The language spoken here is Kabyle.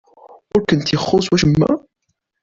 Ur kent-ixuṣṣ wacemma?